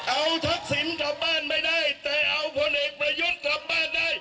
เอาทักษิณกลับบ้านไม่ได้แต่เอาผลเอกประยุทธ์กลับบ้านได้